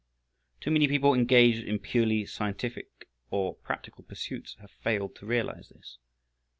Too many people engaged in purely scientific or practical pursuits have failed to realize this.